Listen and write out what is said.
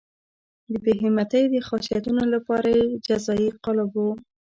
د بې همتۍ د خاصیتونو لپاره یې جزایي قالب وو.